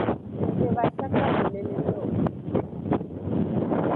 Nggbevacakami le lele o.